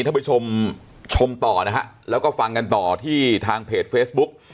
ท่านผู้ชมชมต่อนะฮะแล้วก็ฟังกันต่อที่ทางเพจเฟซบุ๊ก